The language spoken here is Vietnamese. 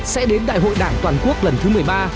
sẽ đến đại hội đảng toàn quốc lần thứ một mươi ba